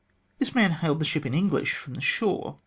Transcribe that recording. This man hailed the ship in English from the shore.